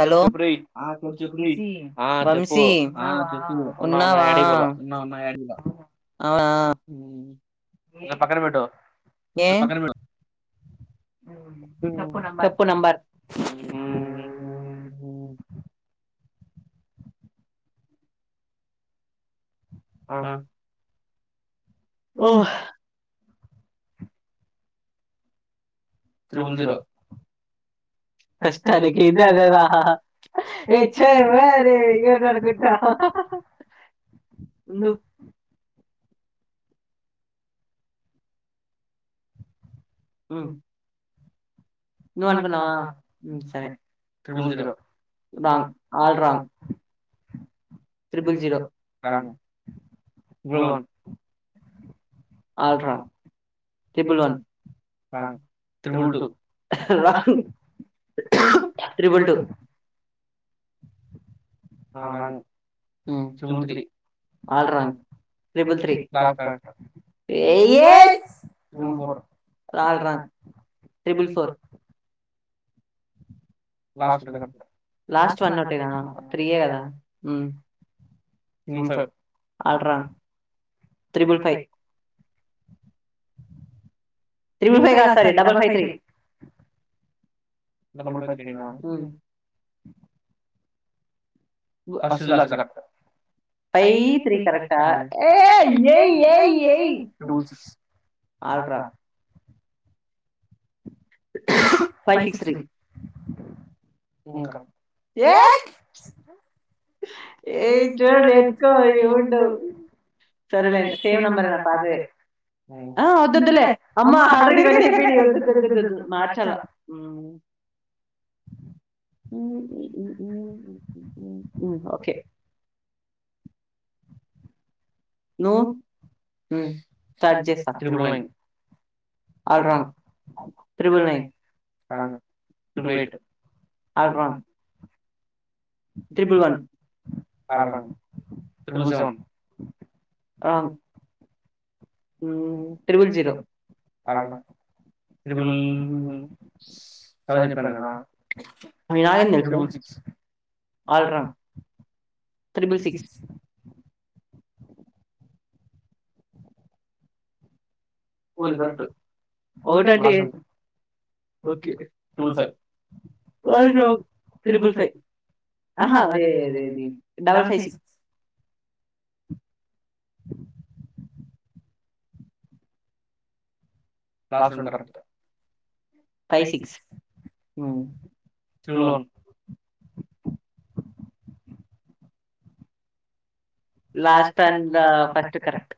hello Vamshi ఉన్నావా అవునా ఉమ్మ్ పక్కన పెట్టో ఆ చెప్పు నంబర్ ఆ త్రిబల్ జీరో ఫస్టా నీకిందే అదేరా ఏ ఛే మే అది ఏంటనుకుంటా ఉండు ఉమ్ నువ్వనుకున్నావా ఉమ్ సరే triple zero wrong all wrong triple zero wrong triple two ఉమ్ ఆల్ రాంగ్ త్రిబుల్ త్రీ యే యేయ్ ఆల్ రాంగ్ త్రిబుల్ ఫోర్ ఆ లాస్ట్ వన్ ఓటేనా త్రీయే కదా ఉమ్ ultra triple five triple five కాద్ sorry double five three double five three నా ఐ త్రీ కరెక్టా అయ్ ఏయ్ ఏయ్ ఏయ్ ఆల్ట్రా ఫైవ్ సిక్స్ త్రీ ఏయ్ ఏయ్ చోడ్ రేచ్ కో ఏమంటావ్ సరేలే ఇంకా సేమ్ నంబర్ కాదు పాతదే అ వోద్దోద్దు లే అమ్మా ఆల్రెడీ ఇవన్నీ ఐపోయినాయి దొ దొ దొ దొ దొద్దు మార్చాల ఉమ్ ఊ ఓకే నువ్ స్టార్ట్ చేస్తా all wrong triple nine all wrong triple one కాదు త్రిబుల్ సెవెన్ మ్ triple zero all wrong triple [unintelligible] all wrong triple six four correct two five అవునా త్రిబుల్ ఫైవ్ అహ డబుల్ ఫైవ్ సిక్స్ లాస్ట్ రెండు correct five six మ్ triple one last and first correct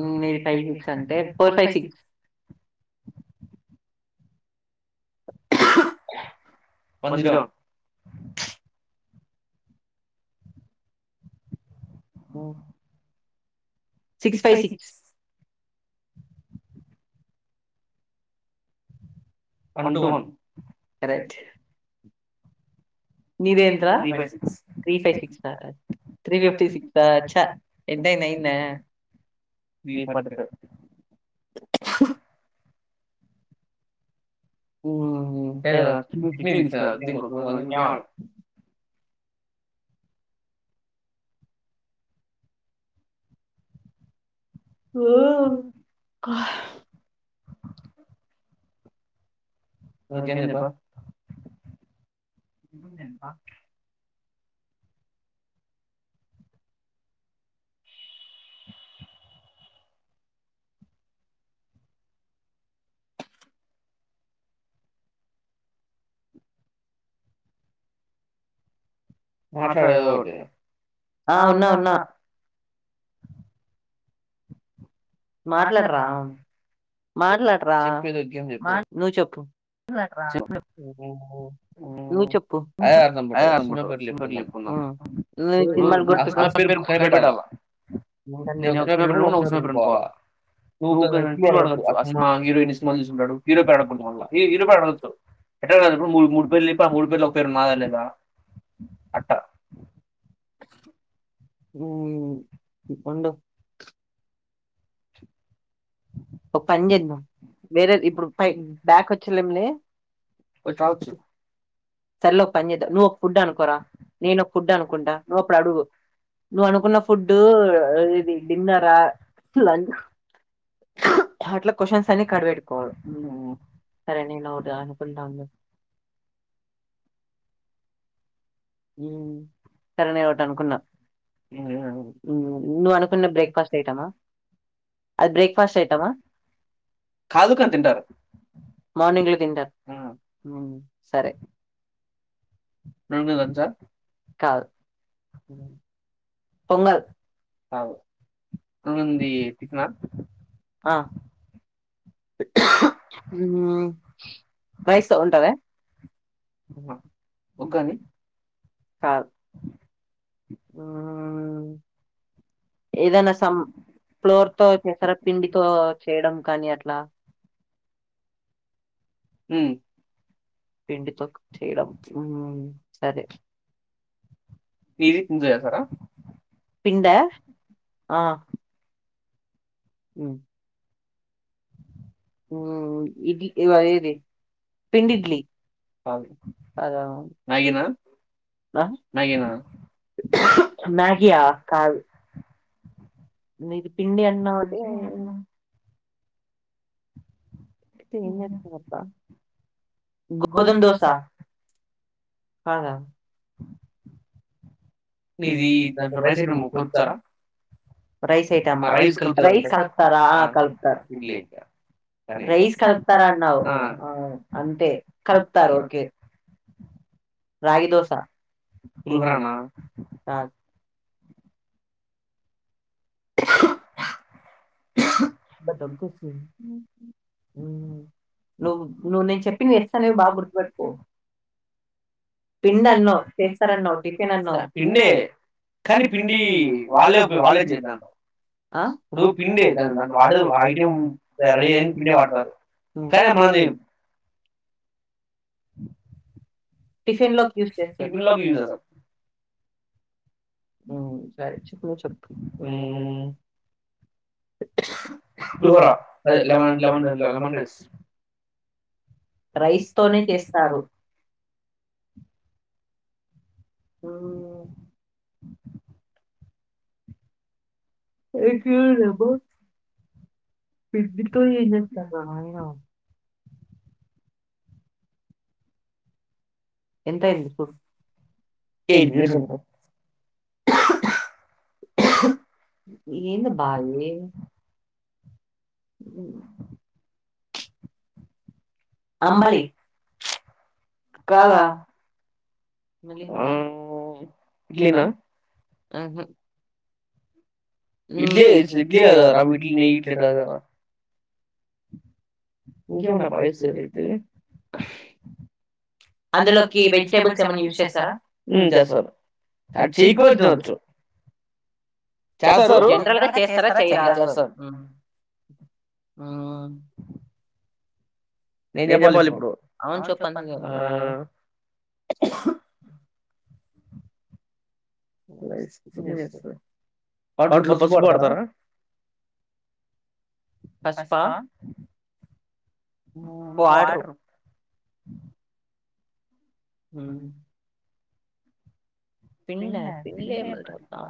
ఉమ్ ఇది five six అంటే four five six one zero ఓ six five six twenty one correct నీధెంత్ర three five six three fifty six చ deadline అయిందా three forty five మ్ [unintelligible] ఓ అల్లకెంచెప్పావ్ [unintelligible] మాట్లాడేదొఒకటి ఆ ఉన్నా ఉన్నా మాట్లాడరా మాట్లాడ్రా ఏం చెప్పు నువ్వు చెప్పు నువ్వు చెప్పు అదే ఆట ఆడదాం సినిమా పేర్లు చెప్పుకుందాం నువ్వు అసలు పేరు కనిపెట్టాల నే ఒక్ ఒకసమే పరు అనుకోవాల నువ్వు క్లుూ అడగచ్చు అస నా హీరో ఎ సినిమా చూసుకుంటాడు హీరో పేరు అడక్కూడదు మల్ల [unintelligible] ఎట్ట కాదు అన్నపుడు మూడు మూడు పేర్లు చెప్పి ఆ మూడు పేర్లు ఒక పేరు మరలేదా అట్ట మ్ మ్ చెప్పండి ఒక పని చేద్దాం వేరే ఇప్పుడు పై బ్యాక్ వచ్చలేమిలే సరేలే ఒక పని చేద్దాం నువ్వు ఒక ఫుడ్ అనుకోరా నేను ఒక ఫుడ్ అనుకుంటా నువ్వు అప్పుడు అడుగు నువ్వు అనుకున్న ఫుడ్ డిన్నరా లంచ్ అట్లా క్వశచన్స్ అని కడుపెకోవాలి సరే నేను అవుదా అనుకుంటాను ఉమ్ సరే నే ఒకటి అనుకున్నా నువ్వు అనుకున్న బ్రేక్ఫాస్ట్ ఐటమా అది బ్రేక్ఫాస్ట్ ఐటమా కాదు కాని తింటారు మార్నింగ్లో తింటారు సరే [unintelligible] [unintelligible] [unintelligible] పొంగల్ కాదు ఏముంది టిఫిన ఆ మ్ రైస్తో ఉంటదా ఓ ఒగ్గని కాదు ఆ ఏదైనా సం ఫ్లోర్తో చేస్తారా పిండితో చేయడం కానీ అట్లా ఉమ్ పండితో చేయడం ఉమ్ సరే మీది పిండితో చేసారా పిండా ఆ ఉమ్ ఉమ్ ఇడ్లీ ఇవగేది పిండి ఇడ్లీ కాదు కదా మ్యాగి నా మ్యాగి నా హ మ్యాగి నా మ్యాగి ఆ కాదు మీది పిండి అన్నా అదే తినియ అబ్బా గోధుమ దోసా కాదా మీది దాంట్లో రైస్ ఐటమా కలుపుతారా రైస్ కలుపుతారా హ కలుపుతారు రైస్ కలుపుతారా అన్నవ్ అంతే కలుపుతారు ఓకే రాగిదోస పుల్హోరనా సాస్ దగ్గుస్తుంది నువ్వు నువ్వు నేను చెప్పింది జేస్తలేవు బాగా గుర్తుపెట్టుకో పిండి అన్నవ్ చేస్తారన్నావ్ టిఫెన్ అన్నవ్ పిండే కానీ పిండి వాళ్ళే వాళ్ళే చేత్ ఇప్పుడు పిండే దాన్ వాడుఐటి రెడ పిండి వాడుత కా మనంది టిఫిన్ లోకి యుస చెస్టారు డా అదే lemon lemon lemon rice rice తోనే చేస్తారు ఉమ్ ఎక్కువైనక పెదితో ఏం చేస్తార్ రా నాయన ఎంతైదీ చెప్పు యెట్ మినిట్స్ అంతే ఏదబ్బా ఆది ఉమ్ అంబలి కాద ఇడ్లీ నా ఎడ్లీ ఎడ్లీ కదర [unintelligible] ఇంకే ఉన్నా పైసుతే [unintelligible] అందులోకి వెజిటేబుల్స్ ఏమ యూస్ చేస్తారా చెయకోవు జనరల్గాస్తారా నేను చెప్పాలి ఇప్పుడు అవును చెప్పను వాటిలో పసుపు పడతారా పసుపా ఆర్డరు హమ్ హ పిల్ల పిల్లే మల్టదా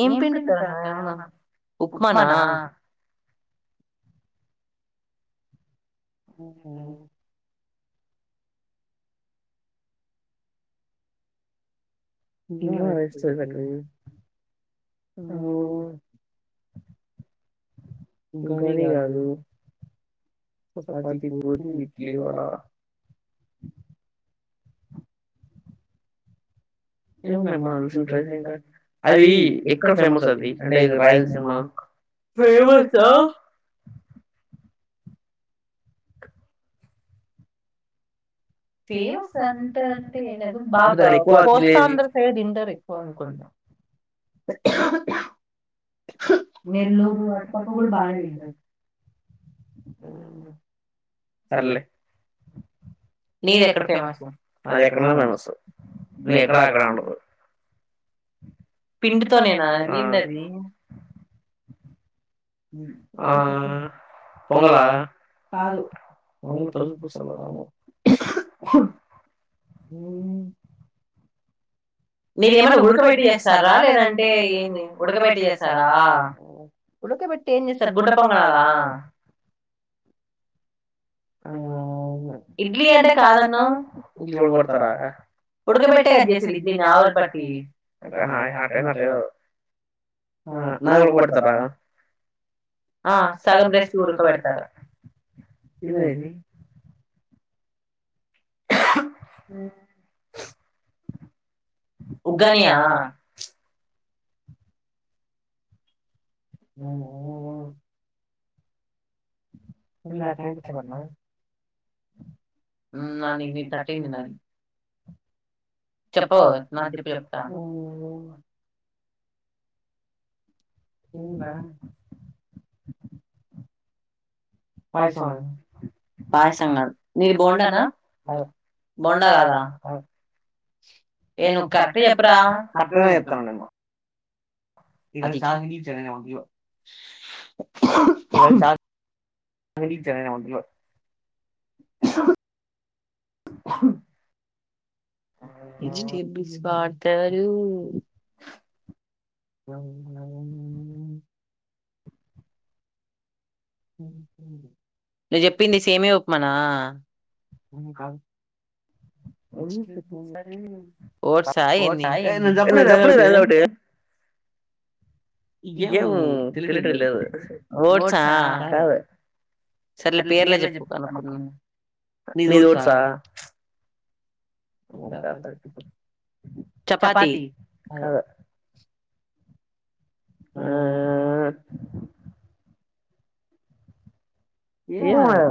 ఏం పిండుతార ఉప్మానా ఉ అరఓ ఇంకాని కాదు చపాతి పూలి ఇడ్లీ వడ ఏమ్మా ఇ అది ఎక్క ఫేమస్ అది అంటే ఇ రాయలసీమా ఫేమస్ తీరా సంటోడ్ అంటే ఏం లేదు [unintelligible] అనుకుంట నెల్లూరు అటు పక్క కూడా బానే తింటారు సర్లే నీది ఎక్కడ ఫేమస్ అది ఎక్కడన్నా ఫేమస్ న ఎక్కడ ఆ గ్రా పిండితోనేనా ఏందది ఆ పొంగలా పొంగల్ [unintelligible] హ్మ్ మీరేమైన్నా ఉడకబెట్టి చేస్తారా, లేదంటే ఏమి ఉడకబెట్టి చేస్తారా, ఉడకబెట్టి ఏం చేస్తారు, గుంటపొంగణాలా ఇడ్లీ అంటే కాదన్నావ్ ఇడ్లీ ఉడకబెడతారా ఉడకబెట్టే కదా చేసేది ఇడ్లీని ఆవిరి పట్టి అట్టేం కాదు ఉడకబెడతారు సగం రెసిపీ ఉడకబెడతారు ఇవేవి హ ఉగ్గానియా ఆ ఏమీ రాక చెప్పన్నా నాన్ ఇది కట్టిన్ నా చెప్పావా నాక్ చెప్పు చెప్తా ఇంకా పాయసం పాయసమా నీది బొందనా బొంద గాదా కాదురా నువ్ కరెక్ట్ గా చెప్పరా [unintelligible] ఇక జ [unintelligible] ఇష్టి బీచ్ బ అరు అవునవును నువ్ చెప్పింది సేమ్యా ఉప్మానా అవున్ రేపు ఉండకి ఓట్స్ ఆ ఏంది ఏ నన్ను చెప్పనిరా ఏదో ఒకటి ఏమో తెలియడం లేదు ఓట్స్ ఆ కాదు సర్లే పేర్లే చెప్పు నీది ఓట్స్ చపాతి కాదు ఆ ఏవో